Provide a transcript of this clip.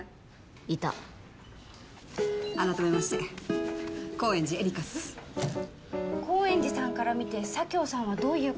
改めまして高円寺エリカっす高円寺さんから見て佐京さんはどういう方ですか？